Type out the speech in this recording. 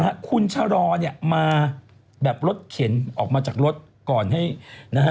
ฮะคุณชะลอเนี่ยมาแบบรถเข็นออกมาจากรถก่อนให้นะฮะ